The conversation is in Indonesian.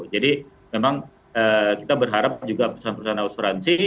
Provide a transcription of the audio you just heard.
jadi memang kita berharap juga perusahaan perusahaan asuransi